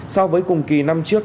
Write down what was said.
so với cùng kỳ năm trước